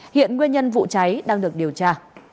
hiện nguyên nhân vụ cháy đang được điều tra